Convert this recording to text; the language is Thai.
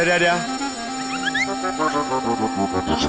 เดี๋ยว